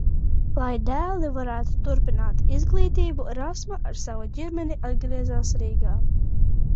Lai dēli varētu turpināt izglītību, Rasma ar savu ģimeni atgriezās Rīgā.